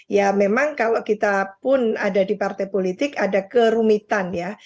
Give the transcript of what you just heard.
ya memang kalau kita pun ada di partai politik ada kerumitan ya